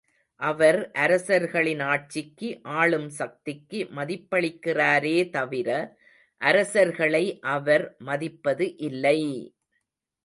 அவர் அரசர்களின் ஆட்சிக்கு, ஆளும் சக்திக்கு மதிப்பளிக்கிறாரே தவிர, அரசர்களை அவர் மதிப்பது இல்லை!